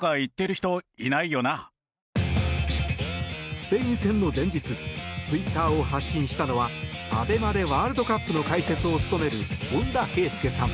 スペイン戦の前日ツイッターを発信したのはＡＢＥＭＡでワールドカップの解説を務める本田圭佑さん。